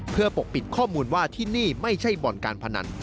เพื่อปกปิดข้อมูลว่าที่นี่ไม่ใช่บ่อนการพนัน